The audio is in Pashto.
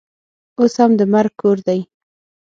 اوس هم د مرګ کور دی.